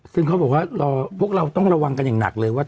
ซึ่งเขาบอกว่าพวกเราต้องระวังกันอย่างหนักเลยว่า